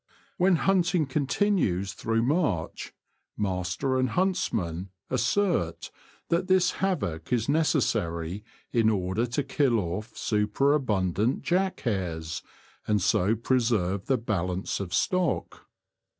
When hunting continues through March, master and huntsman assert that this havoc is necessary in order to kill off superabundant jack hares, and so preserve the balance of stock.